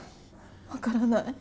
わからない。